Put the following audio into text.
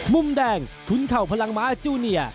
มุมแดงขุนเข้าพลังม้าจูนิอร์